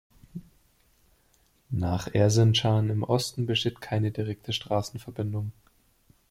Nach Erzincan im Osten besteht keine direkte Straßenverbindung.